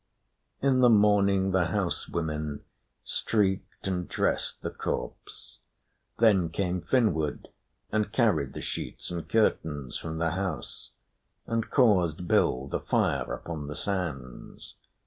In the morning the house women streaked and dressed the corpse. Then came Finnward, and carried the sheets and curtains from the house, and caused build a fire upon the sands.